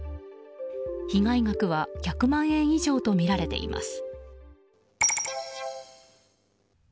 被害額は１００万円以上とみられています。